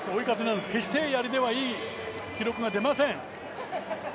決してやりではいい記録が出ません。